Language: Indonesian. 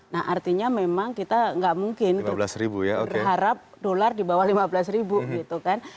nah artinya memang kita nggak mungkin berharap dolar di bawah lima belas ribu gitu kan